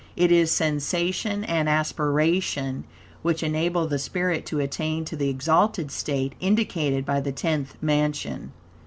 It is sensation and aspiration, which enable the spirit to attain to the exalted state indicated by the Tenth Mansion.